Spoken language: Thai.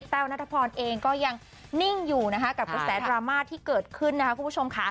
เป้านัทธพรเองก็ยังนิ่งอยู่กับเกอร์แซว์ดราม่าที่เกิดขึ้น